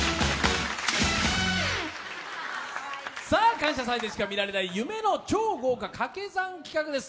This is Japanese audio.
「感謝祭」でしか見られない夢の超豪華カケ算企画です。